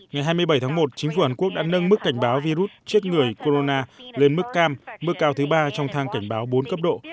ngày hai mươi bảy tháng một chính phủ hàn quốc đã nâng mức cảnh báo virus chết người corona lên mức cam mức cao thứ ba trong thang cảnh báo bốn cấp độ